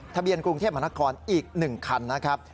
ทะเบียนกรุงเทพมหานครอีก๑คันนะครับ